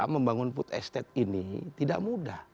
membangun food estate ini tidak mudah